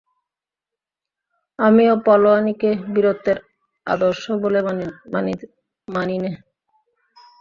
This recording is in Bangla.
আমিও পালোয়ানিকে বীরত্বের আদর্শ বলে মানি নে।